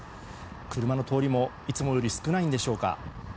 車の通りもいつもより少ないんでしょうか。